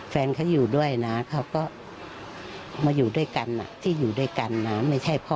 แฟนเขาอยู่ด้วยนะเขาก็มาอยู่ด้วยกันที่อยู่ด้วยกันนะไม่ใช่พ่อ